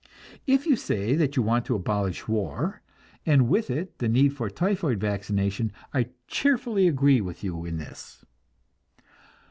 If you say that you want to abolish war, and with it the need for typhoid vaccination, I cheerfully agree with you in this.